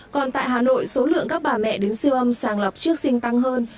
còn tại hà nội số lượng các bà mẹ đến siêu âm sàng lọc trước sinh tăng hơn